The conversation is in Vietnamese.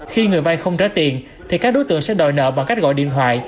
khi người vay không trả tiền thì các đối tượng sẽ đòi nợ bằng cách gọi điện thoại